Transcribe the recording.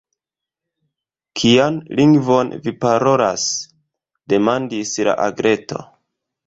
“Kian lingvon vi parolas?” demandis la Agleto.